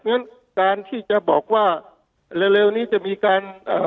งั้นการที่จะบอกว่าเร็วเร็วนี้จะมีการอ่า